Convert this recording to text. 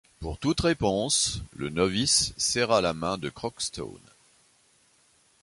Pour toute réponse, le novice serra la main de Crockston.